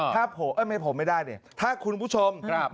ถ้ากออกไม่ได้ถ้าคุณผู้ชม